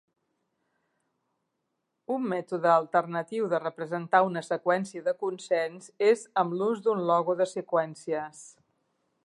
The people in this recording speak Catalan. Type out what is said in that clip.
Un mètode alternatiu de representar una seqüència de consens és amb l'ús d'un logo de seqüències.